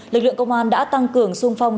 lực lượng công an đã tăng cường sung phong